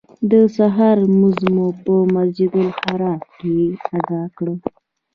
د سهار لمونځ مو په مسجدالحرام کې ادا کړ.